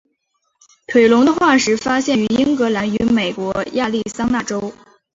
腿龙的化石发现于英格兰与美国亚利桑那州。